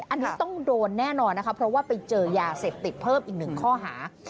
อันนี้ต้องโดนแน่นอนนะคะเพราะว่าไปเจอยาเสพติดเพิ่มอีกหนึ่งข้อหา